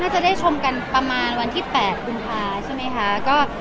จะได้ชมกันประมาณวันที่๘กุมภาใช่ไหมคะ